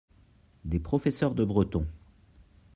des professeurs de breton.